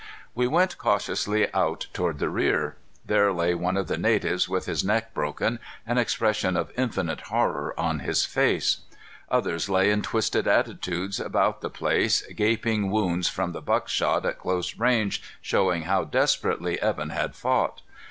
We went cautiously out toward the rear. There lay one of the natives with his neck broken, an expression of infinite horror on his face. Others lay in twisted attitudes about the place, gaping wounds from the buckshot at close range showing how desperately Evan had fought.